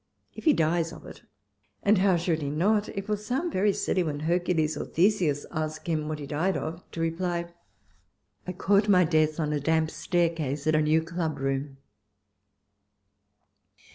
If he dies of it — and how should he not? —it will sound very silly when Hercules or Theseus ask him what he died of, to reply, '' i caught my death on a damp staircase at a new club room."